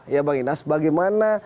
ya bang inas bagaimana